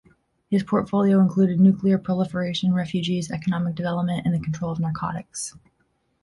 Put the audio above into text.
His portfolio included nuclear proliferation, refugees, economic development, and the control of narcotics.